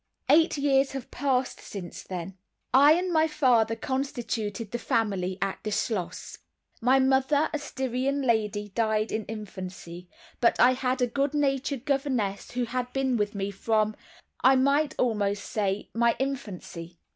Eight years have passed since then. I and my father constituted the family at the schloss. My mother, a Styrian lady, died in my infancy, but I had a good natured governess, who had been with me from, I might almost say, my infancy.